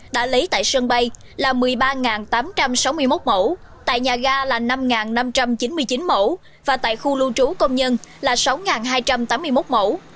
đã lấy tại sân bay là một mươi ba tám trăm sáu mươi một mẫu tại nhà ga là năm năm trăm chín mươi chín mẫu và tại khu lưu trú công nhân là sáu hai trăm tám mươi một mẫu